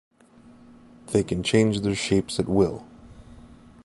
They can change their shapes at will.